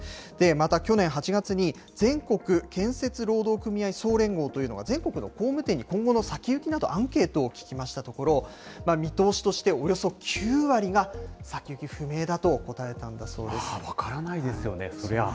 また、去年８月に、全国建設労働組合総連合というものが、全国の工務店に今後の先行きなど、アンケートを聞きましたところ、見通しとしておよそ９割が先行き不明だと答えたんだそうです。